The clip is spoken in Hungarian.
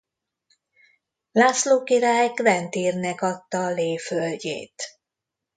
László király Guentyr-nek adta Léh földjét.